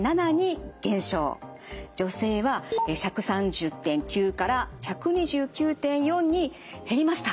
女性は１３０．９から１２９．４に減りました。